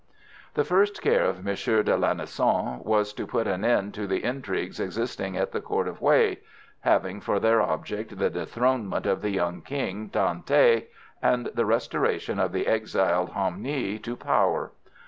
The first care of M. de Lanessan was to put an end to the intrigues existing at the court of Hué, having for their object the dethronement of the young king Than Thai, and the restoration of the exiled Ham Nghi to power.